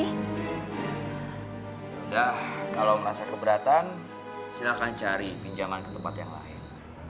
sudah kalau merasa keberatan silahkan cari pinjaman ke tempat yang lain